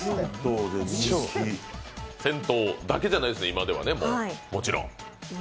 銭湯だけじゃないです、今ではもうもちろん。